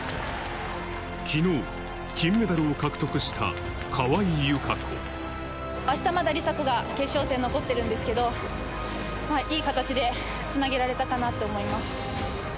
きのう、あしたまだ、梨紗子が決勝戦残ってるんですけど、いい形でつなげられたかなと思います。